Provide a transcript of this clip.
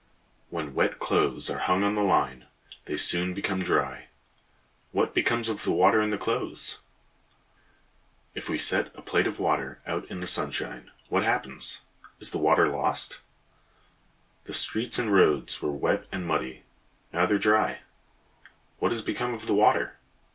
When wet clothes are hung on the line, they soon become dry. What becomes of the water in the clothes? If we set a plate of water out in the sunshine, what happens? Is the water lost? The streets and roads were wet and muddy, now they are dry. What has become of the water?